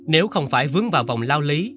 nếu không phải vướng vào vòng lao lý